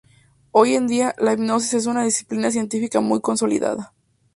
Hoy en día, la hipnosis es una disciplina científica muy consolidada.